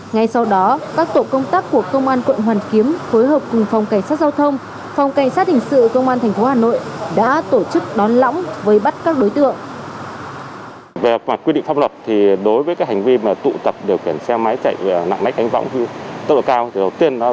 ngay sau đó các tổ công tác của công an quận hoàn kiếm phối hợp cùng phòng cảnh sát giao thông